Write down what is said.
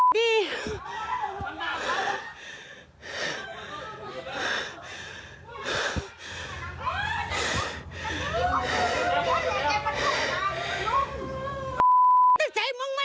ดี